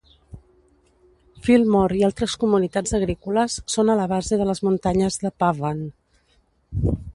Fillmore i altres comunitats agrícoles són a la base de les muntanyes Pahvant.